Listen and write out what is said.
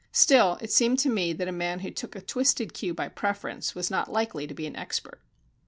Still, it seemed to me that a man who took a twisted cue by preference was not likely to be an expert.